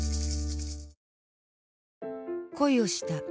恋をした。